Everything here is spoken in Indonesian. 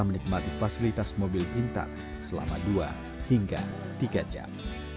dan menikmati fasilitas mobil pintar selama dua hingga tiga jam